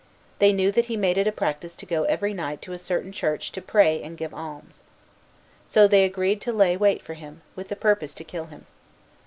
They knew that he made it a practice to go every night to a certain church to pray and give alms. So they agreed to lay wait for him, with the purpose to kill him.